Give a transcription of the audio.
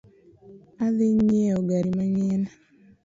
Adhii nyieo gari manyien